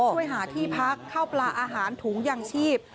ช่วยหาที่พักเข้าปลาอาหารถุงยางชีพ